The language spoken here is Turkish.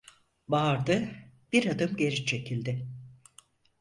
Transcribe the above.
Bağırdı, bir adım geri çekildi.